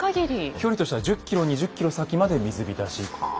距離としては１０ｋｍ２０ｋｍ先まで水浸し。